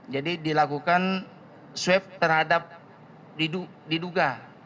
jadi dilakukan swab terhadap diduga